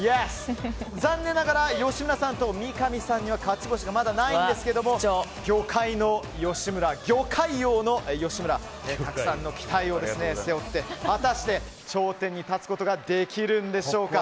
残念ながら吉村さんと三上さんには勝ち星がまだないんですが魚介の吉村、魚介王の吉村たくさんの期待を背負って果たして、頂点に立つことができるんでしょうか。